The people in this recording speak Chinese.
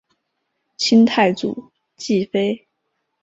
清太祖继妃。